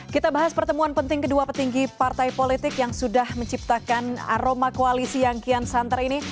kita bahas pertemuan penting kedua petinggi partai politik yang sudah menciptakan aroma koalisi yang kian santer ini